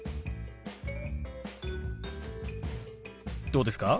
どうですか？